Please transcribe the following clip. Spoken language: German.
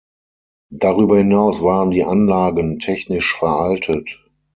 Darüber hinaus waren die Anlagen technisch veraltet.